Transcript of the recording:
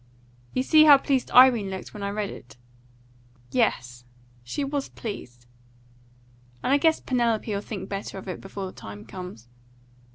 "You see how pleased Irene looked when I read it?" "Yes, she was pleased." "And I guess Penelope'll think better of it before the time comes."